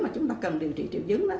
cần điều trị triệu dứng